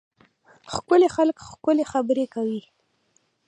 ښکلي خلک ښکلې خبرې کوي.